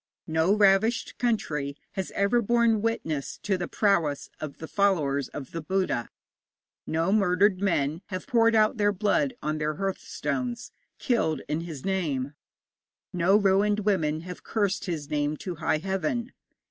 No ravished country has ever borne witness to the prowess of the followers of the Buddha; no murdered men have poured out their blood on their hearthstones, killed in his name; no ruined women have cursed his name to high Heaven.